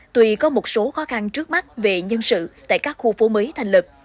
tuy có một số khó khăn trước mắt về nhân sự tại các khu phố mới thành lập